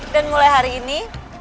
dan mulai hari ini